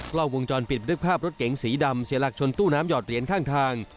กล้องวงจรปิดนึกภาพรถเก๋งสีดำเสียหลักชนตู้น้ำหอดเหรียญข้างทาง